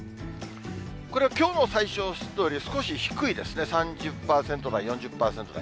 これはきょうの最小湿度より少し低いですね、３０％台、４０％台。